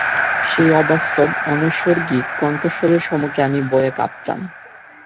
সেই অবাস্তব, অনৈসর্গিক কণ্ঠস্বরের সমুখে ভয়ে আমি কাঁপতাম।